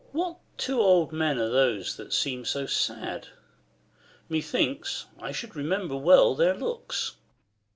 Cam. What two old men are those that seem so sad ? Methinks, I should remember well their looks.